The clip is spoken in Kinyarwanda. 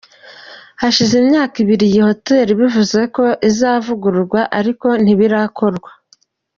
Hashize imyaka ibiri iyi hotel bivuzwe ko izavugurura ariko ntibirakorwa.